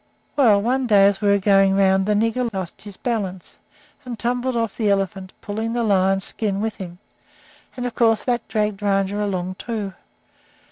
"Well, one day as they were going around the nigger lost his balance and tumbled off the elephant, pulling the lion's skin with him, and of course that dragged Rajah along, too.